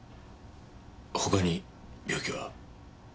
他に病気は。